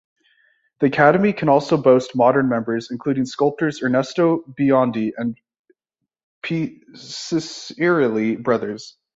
The Academy can also boast modern members, including sculptors Ernesto Biondi and Piccirilli Brothers.